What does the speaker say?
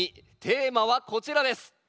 テーマはこちらです。